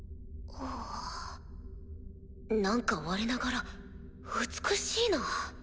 何かわれながら美しいな。